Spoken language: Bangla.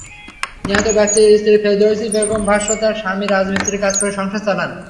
নিহত ব্যক্তির স্ত্রী ফেরদৌসী বেগমের ভাষ্য, তাঁর স্বামী রাজমিস্ত্রির কাজ করে সংসার চালান।